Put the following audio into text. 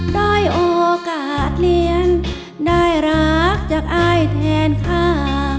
ได้โอกาสเลี้ยงได้รักจากอายแทนค่ะ